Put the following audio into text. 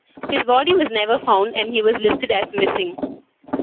His body was never found and he was listed as "missing".